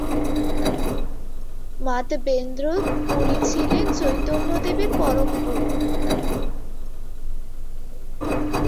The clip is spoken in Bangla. মাধবেন্দ্র পুরী ছিলেন চৈতন্যদেবের পরম গুরু।